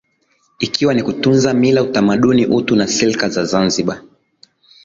Ikiwa ni kutunza Mila utamaduni utu na silka za Zanzibar